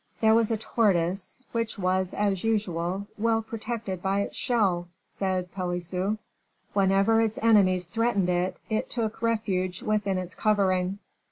"There was a tortoise, which was, as usual, well protected by its shell," said Pelisson; "whenever its enemies threatened it, it took refuge within its covering.